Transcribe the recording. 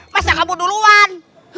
masa kamu duluan